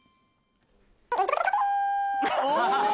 お！